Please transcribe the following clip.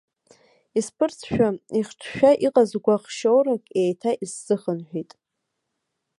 Исԥырҵшәа, ихҽшәа иҟаз гәаӷ-шьоурак еиҭа исзыхынҳәит.